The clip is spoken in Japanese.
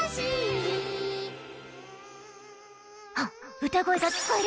アア歌声が聞こえる！